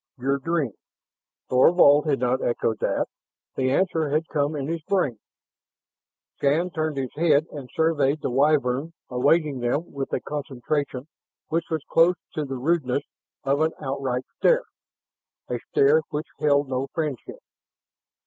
"Your dream." Thorvald had not echoed that; the answer had come in his brain. Shann turned his head and surveyed the Wyvern awaiting them with a concentration which was close to the rudeness of an outright stare, a stare which held no friendship.